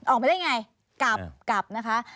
ออกมาได้อย่างไรกลับนะคะ